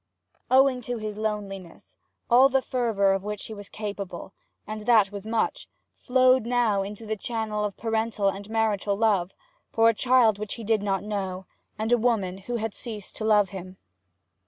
Owing to his loneliness, all the fervour of which he was capable and that was much flowed now in the channel of parental and marital love for a child who did not know him, and a woman who had ceased to love him.